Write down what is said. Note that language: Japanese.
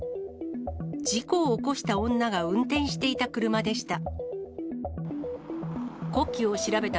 事故を起こした女が運転していた車でした。